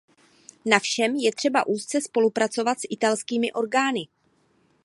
Na všem je třeba úzce spolupracovat s italskými orgány.